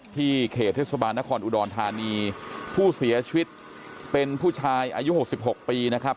เขตเทศบาลนครอุดรธานีผู้เสียชีวิตเป็นผู้ชายอายุ๖๖ปีนะครับ